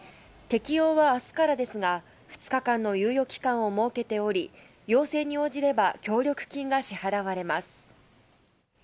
適用は明日からですが２日間の猶予期間を設けており、要請に応じれば、協力金が支払われます。